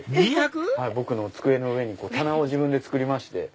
僕の机の上に棚を自分で作りまして。